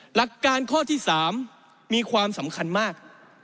หลักการข้อที่๓มีความสำคัญมาก